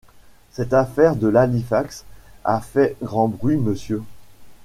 Cette affaire de l’Halifax a fait grand bruit, monsieur. ..